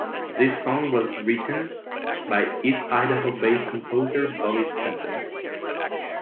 This song was written by east Idaho based composer Bobby Fender.